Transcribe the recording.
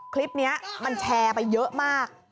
คลิปนี้มันแชร์ไปเยอะมาก